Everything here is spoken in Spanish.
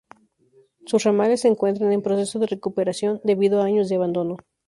Sus ramales se encuentran en proceso de recuperación, debido a años de abandono.